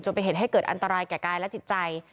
เป็นเหตุให้เกิดอันตรายแก่กายและจิตใจ